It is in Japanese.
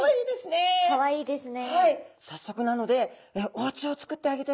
頭がかわいいですね。